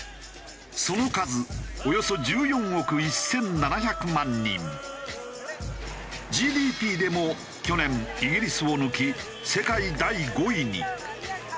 その数ＧＤＰでも去年イギリスを抜き世界第５位に。